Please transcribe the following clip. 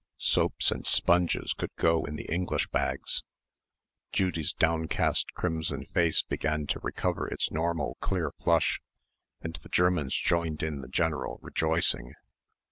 Soaps and sponges could go in the English bags. Judy's downcast crimson face began to recover its normal clear flush, and the Germans joined in the general rejoicing.